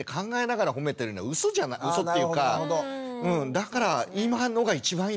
だから今のが一番いいんです。